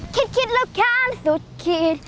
คิดแล้วช้าสุดขีด